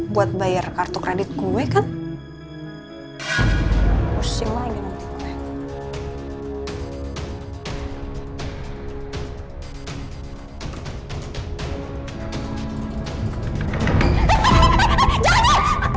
hai daripada nanti kepotong sama